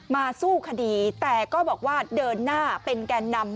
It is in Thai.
สู้คดีแต่ก็บอกว่าเดินหน้าเป็นแกนนำ